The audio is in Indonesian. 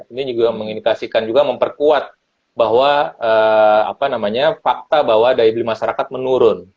ini juga mengindikasikan juga memperkuat bahwa fakta bahwa daya beli masyarakat menurun